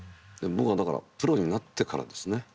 僕はだからプロになってからですね。